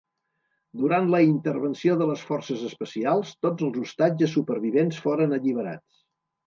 Durant la intervenció de les forces especials, tots els ostatges supervivents foren alliberats.